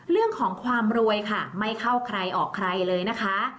เรื่องของความรวยค่ะไม่เข้าใครออกใครเลยนะคะ